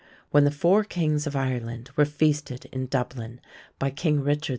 When the four kings of Ireland were feasted in Dublin by King Richard II.